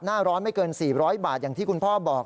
หน้าร้อนไม่เกิน๔๐๐บาทอย่างที่คุณพ่อบอก